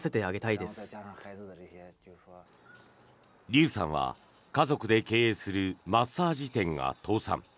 リュウさんは家族で経営するマッサージ店が倒産。